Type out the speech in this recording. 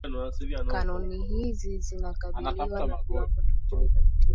Kanuni hizi zinakabiliwa na viwango tofauti vya kufuata